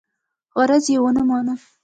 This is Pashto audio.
عرض یې ونه مانه.